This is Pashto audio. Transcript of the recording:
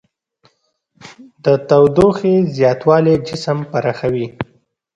د تودوخې زیاتوالی جسم پراخوي.